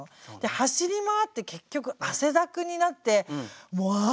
走り回って結局汗だくになってもうあつい！